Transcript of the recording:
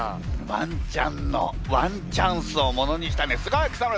ワンちゃんのワンチャンスをものにしたねすごい草村！